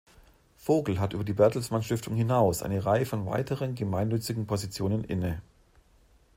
Vogel hat über die Bertelsmann Stiftung hinaus eine Reihe von weiteren gemeinnützigen Positionen inne.